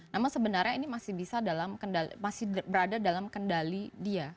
namun sebenarnya ini masih bisa berada dalam kendali dia